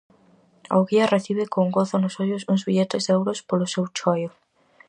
O guía recibe con gozo nos ollos uns billetes de euros polo seu choio.